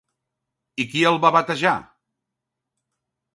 I qui el va batejar?